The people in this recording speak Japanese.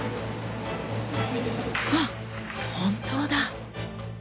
あっ本当だ！